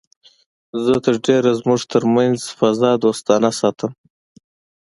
زه تر ډېره زموږ تر منځ فضا دوستانه ساتم